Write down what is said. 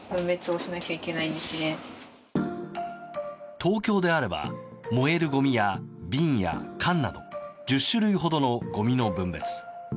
東京であれば燃えるごみや瓶や缶など１０種類ほどのごみの分別。